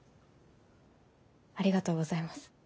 ありがとうございます。